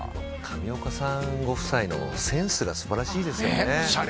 上岡さんご夫妻のセンスが素晴らしいですね。